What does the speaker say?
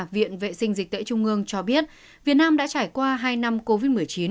viện vệ sinh dịch tễ trung ương cho biết việt nam đã trải qua hai năm covid một mươi chín